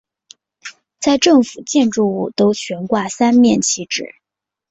在政府建筑物都悬挂三面旗帜。